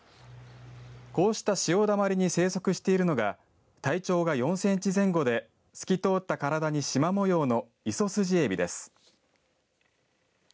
こうした潮だまりに生息しているのが体長が４センチ前後で透き通った体にしま模様のイソスジエビです。